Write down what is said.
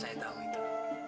saya tahu itu